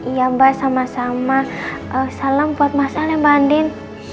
iya mbak sama sama salam buat masalah mbak andin